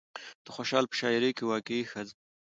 د خوشال په شاعرۍ کې واقعي ښځه